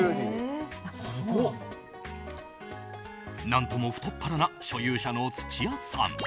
何とも太っ腹な所有者の土屋さん。